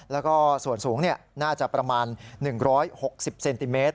แล้วก็ส่วนสูงน่าจะประมาณ๑๖๐เซนติเมตร